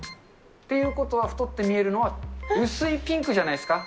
っていうことは太って見えるのは薄いピンクじゃないですか？